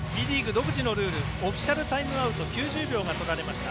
独自のルールオフィシャルタイムアウト９０秒がとられました。